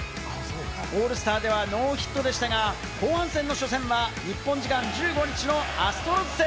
オールスターではノーヒットでしたが、後半戦の初戦は日本時間１５日のアストロズ戦。